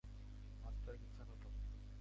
Master, কিচ্ছা খতম।